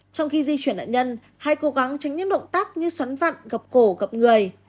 trong khi di chuyển nạn nhân hãy cố gắng tránh những động tác như xoắn vặn gặp cổ gặp người